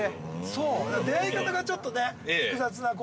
◆出会い方がちょっと複雑な。